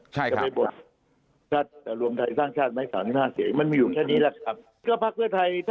จะไปบวกจริงร่วมไทยสร้างชาติหมายข่าว๑๕เสียมันมีอยู่แค่นี้แหละ